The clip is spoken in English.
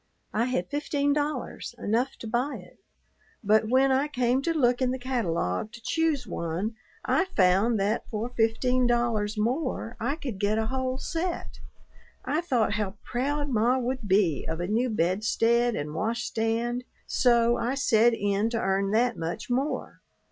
I had fifteen dollars, enough to buy it, but when I came to look in the catalogue to choose one I found that for fifteen dollars more I could get a whole set. I thought how proud ma would be of a new bedstead and wash stand, so I set in to earn that much more.